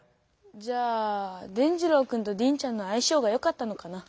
じゃ伝じろうくんとリンちゃんのあいしょうがよかったのかな？